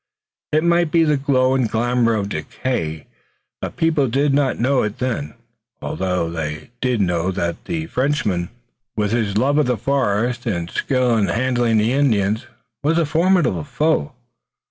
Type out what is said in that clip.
It might be the glow and glamor of decay, but people did not know it then, although they did know that the Frenchman, with his love of the forest and skill in handling the Indians, was a formidable foe.